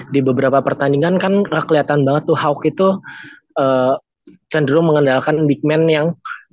di beberapa pertandingan kan kelihatan banget tuh hawk itu cenderung mengandalkan big man yang